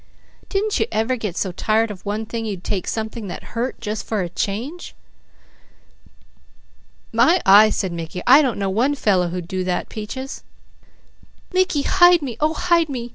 "Didn't you ever get so tired of one thing you'd take something that hurt, jus' for a change?" "My eye!" said Mickey. "I don't know one fellow who'd do that, Peaches." "Mickey, hide me. Oh hide me!